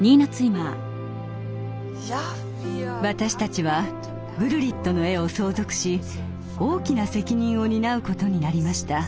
私たちはグルリットの絵を相続し大きな責任を担うことになりました。